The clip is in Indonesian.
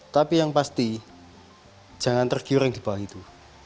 tapi yang pasti jangan tergiring di bawah itu